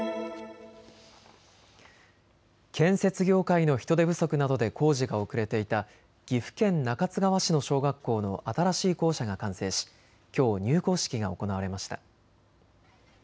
建設業界の人手不足などで工事が遅れていた岐阜県中津川市の小学校の新しい校舎が完成しきょう入校式が行われました。